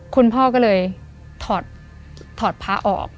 คุณพ่อก็เลยถอดพระออก